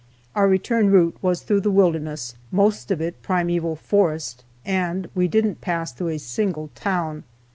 Our return route was through the wilderness, most of it primeval forest, and we didn't pass through a single town.